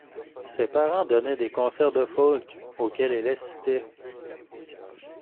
Ses parents donnaient des concerts de folk auxquels elle assistait.